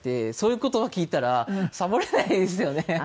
そういう言葉聞いたらサボれないですよね。